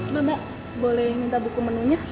mbak mbak boleh minta buku menunya